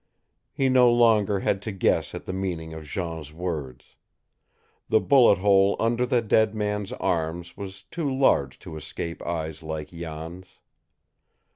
He no longer had to guess at the meaning of Jean's words. The bullet hole under the dead man's arms was too large to escape eyes like Jan's.